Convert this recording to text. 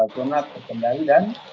zona terkendali dan